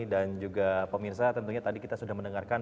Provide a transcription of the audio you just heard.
dan juga pemirsa tentunya tadi kita sudah mendengarkan